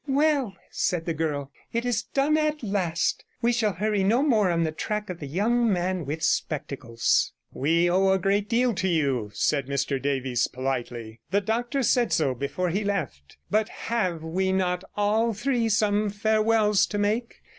'Well,' said the girl, 'it is done at last. We shall hurry no more on the track of the young man with spectacles.' 'We owe a great deal to you,' said Mr Davies politely; 'the doctor said so before he left. But having we not all three some farewells to make?